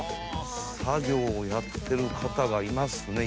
作業をやってる方がいますね。